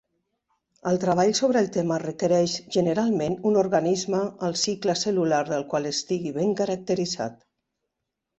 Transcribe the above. El treball sobre el tema requereix generalment un organisme el cicle cel·lular del qual estigui ben caracteritzat.